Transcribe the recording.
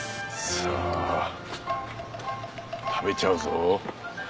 さぁ食べちゃうぞ！